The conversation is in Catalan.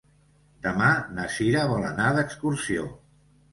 Demà na Cira vol anar d'excursió.